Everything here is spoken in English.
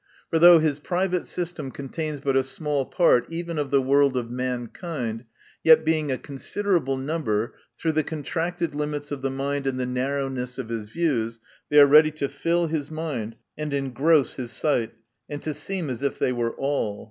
For though his private system contains but a small part even of the world of mankind, yet being a considerable number, through the contracted limits of the mind and the narrowness of his views, they are ready to fill his mind and engross his sight, and to seem as if they were all.